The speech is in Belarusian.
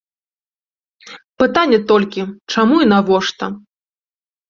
Пытанне толькі, чаму і навошта.